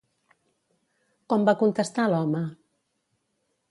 Com va contestar l'home?